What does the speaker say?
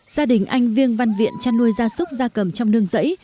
gia đình anh viêng văn viện chăn nuôi da súc da cầm trong nương dãy